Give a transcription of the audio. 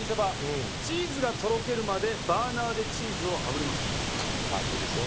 チーズがとろけるまでバーナーでチーズをあぶります。